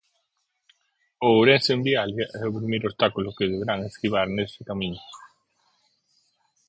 O Ourense Envialia é o primeiro obstáculo que deberán esquivar nese camiño.